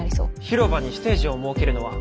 広場にステージを設けるのは？